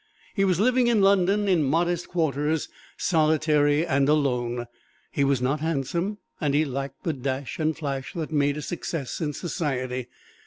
He was living in London in modest quarters, solitary and alone. He was not handsome, and he lacked the dash and flash that make a success in society.